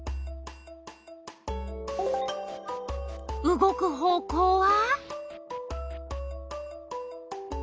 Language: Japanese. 動く方向は？